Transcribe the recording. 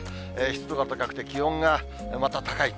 湿度が高くて、気温がまた高い。